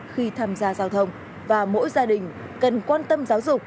khi tham gia giao thông và mỗi gia đình cần quan tâm giáo dục